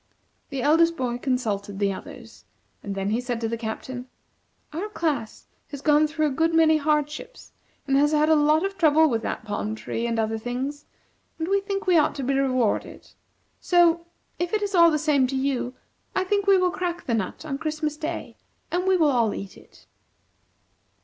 The eldest boy consulted the others, and then he said to the Captain: "Our class has gone through a good many hardships, and has had a lot of trouble with that palm tree and other things, and we think we ought to be rewarded. So, if it is all the same to you, I think we will crack the nut on Christmas Day and we all will eat it."